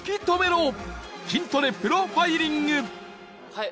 はい！